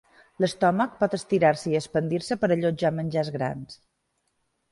L'estómac pot estirar-se i expandir-se per allotjar menjars grans.